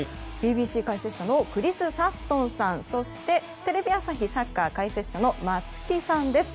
ＢＢＣ解説者のクリス・サットンさんそしてテレビ朝日サッカー解説者の松木さんです。